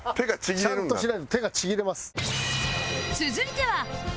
ちゃんとしないと手がちぎれます。